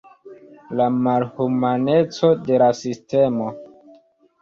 La malhumaneco de la sistemo.